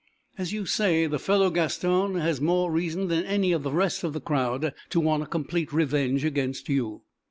As you say, the fellow Gaston has more reason than any of the rest of the crowd to want a complete revenge against you."